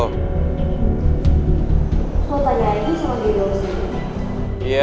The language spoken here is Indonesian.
lo tanya aja sama gue gosip itu